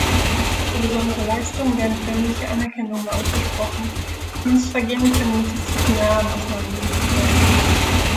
Für besondere Leistungen werden „förmliche Anerkennungen“ ausgesprochen, Dienstvergehen können mit Disziplinarmaßnahmen belegt werden.